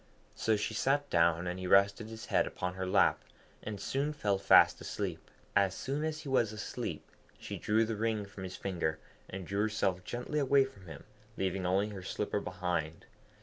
So she sat down, and he rested his head upon her lap, and soon fell fast asleep. As soon as he was asleep, she drew the ring from his finger, and drew herself gently away from him, leaving only her slipper behind.